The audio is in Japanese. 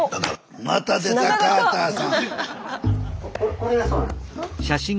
これがそうなんです。